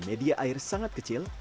dan media air sangat kecil